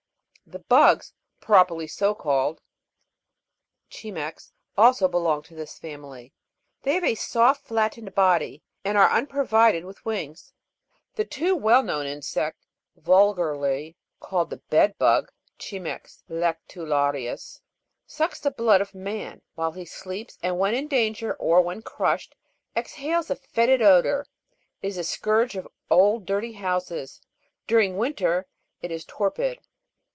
5. The bugs, properly so called (Cimex), also belong to this family ; they have a soft flat tened body, and are unprovided with wings. The too well known insect, vulgarly called the bed bug (Cimex lectularius), sucks the blood of Fig. 36. man w hil e he sleeps, and when in danger, or PENTATOMA. when crushed, exhales a fetid odour ; it is the scourge of old dirty houses ; during winter, it is torpid.